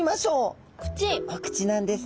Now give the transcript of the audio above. お口なんですね。